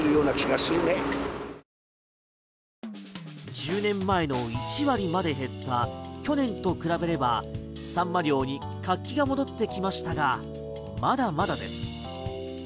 １０年前の１割まで減った去年と比べればサンマ漁に活気が戻ってきましたがまだまだです。